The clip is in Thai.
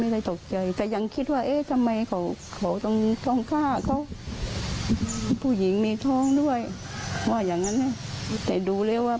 ได้เลยรู้สึกตกใจมั้ยครับ